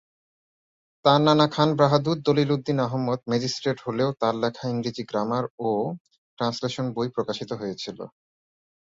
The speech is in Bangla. তার নানা খান বাহাদুর দলিল উদ্দীন আহমদ ম্যাজিস্ট্রেট হলেও তার লেখা ইংরেজি গ্রামার ও ট্রান্সলেশন বই প্রকাশিত হয়েছিল।